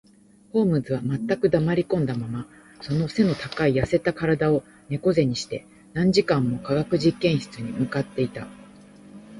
ホームズは全く黙りこんだまま、その脊の高い痩せた身体を猫脊にして、何時間も化学実験室に向っていた